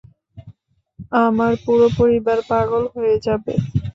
আমার পুরো পরিবার পাগল হয়ে যাবে!